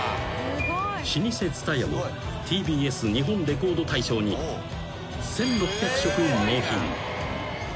［老舗津多屋もＴＢＳ『日本レコード大賞』に１，６００食納品］